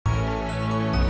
kamu jauh di mata